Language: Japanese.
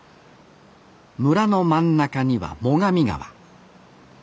村の真ん中には最上川。